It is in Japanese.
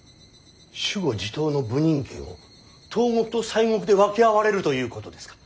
守護地頭の補任権を東国と西国で分け合われるということですか。